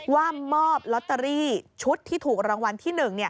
ว่ามอบลอตเตอรี่ชุดที่ถูกรางวัลที่๑